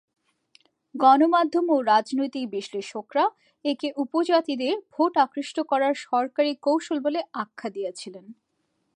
গণমাধ্যম ও রাজনৈতিক বিশ্লেষকরা একে উপজাতিদের ভোট আকৃষ্ট করার সরকারি কৌশল বলে আখ্যা দিয়েছিলেন।